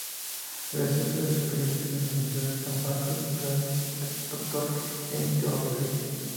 Realizó estudios superiores en la Universidad de San Marcos, graduándose de doctor en Teología.